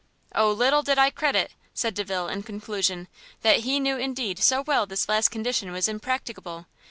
"O little did I credit," said Delvile in conclusion, "that he knew indeed so well this last condition was impracticable!